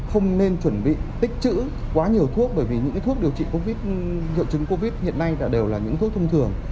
không nên chuẩn bị tích chữ quá nhiều thuốc bởi vì những cái thuốc điều trị covid hiệu chứng covid hiện nay là đều là những thuốc thông thường